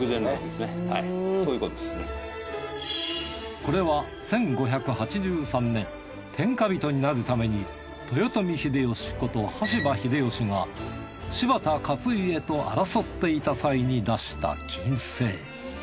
これは１５８３年天下人になるために豊臣秀吉こと羽柴秀吉が柴田勝家と争っていた際に出した禁制。